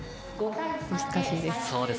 難しいです。